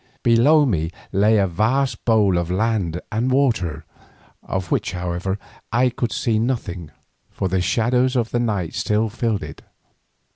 Below me lay a vast bowl of land and water, of which, however, I could see nothing, for the shadows of the night still filled it.